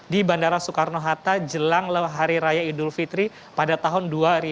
di bandara soekarno hatta jelang hari raya idul fitri pada tahun dua ribu dua puluh